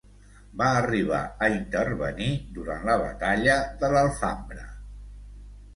Va arribar a intervenir durant la batalla de l'Alfambra.